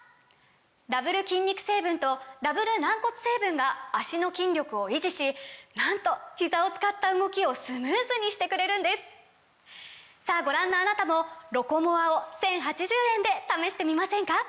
ダブル筋肉成分とダブル軟骨成分が脚の筋力を維持しなんとひざを使った動きをスムーズにしてくれるんですさぁご覧のあなたも「ロコモア」を１，０８０円で試してみませんか！